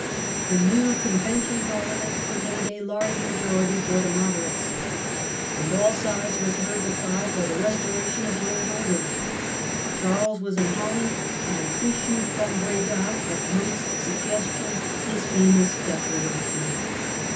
The new convention Parliament con tained a large majority for the moderates. On all sides was heard the cry for the restoration of the old order. Charles was in Holland, and issued from Breda, at Monk's suggestion, his famous "Declaration".